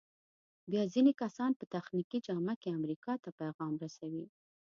بیا ځینې کسان په تخنیکي جامه کې امریکا ته پیغام رسوي.